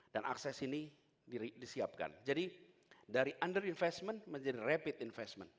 dan akses ini disiapkan jadi dari under investment menjadi rapid investment